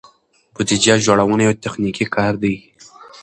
بودیجه جوړونه یو تخنیکي کار دی.